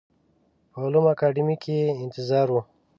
په علومو اکاډمۍ کې یې انتظار و.